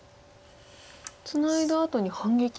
ツナいだあとに反撃。